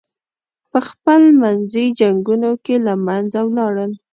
پخپل منځي جنګونو کې له منځه ولاړل.